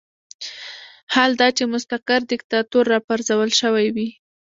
حال دا چې مستقر دیکتاتور راپرځول شوی وي.